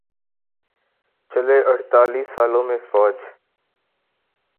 چھلے اڑتالیس سالوں میں فوج